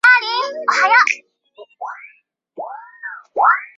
克罗齐和秦梯利曾在之前反对实证主义的哲学论辩上多有合作。